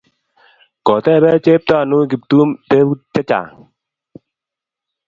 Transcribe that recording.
Kotepe Cheptanui Kiptum teputik chechang'